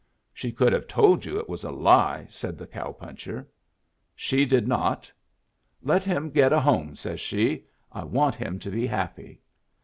"She could have told you it was a lie," said the cow puncher. "She did not. 'Let him get a home,' says she. 'I want him to be happy.'